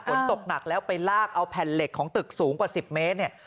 ฝนตกหนักแล้วไปลากเอาแผ่นเหล็กของตึกสูงกว่า๑๐เมตรเนี่ย